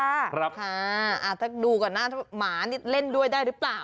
ถ้าดูก่อนหน้าหมานี่เล่นด้วยได้หรือเปล่า